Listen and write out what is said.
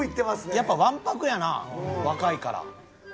やっぱわんぱくやな若いから。